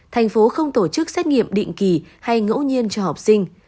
thành phố không tổ chức xét nghiệm định kỳ hay ngẫu nhiên cho học sinh